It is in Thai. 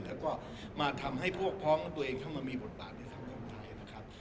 แล้วก็มาทำให้พวกพ้องตัวเองเข้ามามีบทบาทในสังคมไทยนะครับ